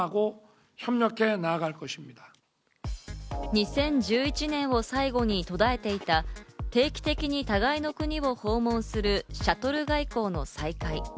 ２０１１年を最後に途絶えていた定期的に互いの国を訪問するシャトル外交の再開。